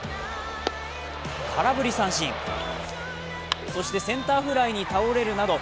空振り三振、そしてセンターフライに倒れるなど